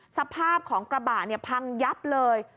สภาพของกระบะเนี่ยพังยับเลย